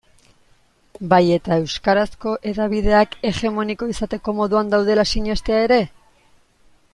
Bai eta euskarazko hedabideak hegemoniko izateko moduan daudela sinestea ere?